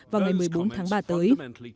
vào ngày một mươi bốn tháng ba tới